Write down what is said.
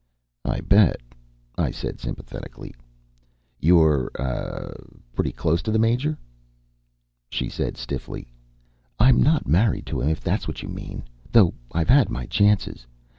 "I bet," I said sympathetically. "You're, uh, pretty close to the Major?" She said stiffly: "I'm not married to him, if that's what you mean. Though I've had my chances....